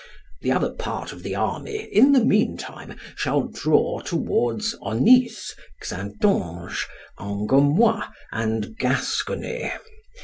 The other part of the army, in the meantime, shall draw towards Onys, Xaintonge, Angomois, and Gascony.